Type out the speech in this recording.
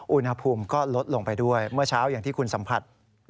อุณหภูมิก็ลดลงไปด้วยเมื่อเช้าอย่างที่คุณสัมผัส